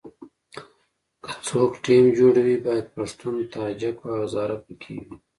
که څوک ټیم جوړوي باید پښتون، تاجک او هزاره په کې وي.